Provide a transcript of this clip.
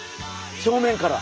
正面から。